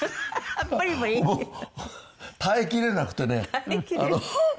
もう耐えきれなくてね。